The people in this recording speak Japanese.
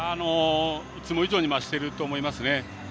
いつも以上に増していると思いますね。